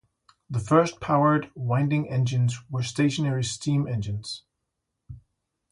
The first powered winding engines were stationary steam engines.